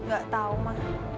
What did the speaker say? gak tahu ma